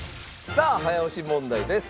さあ早押し問題です。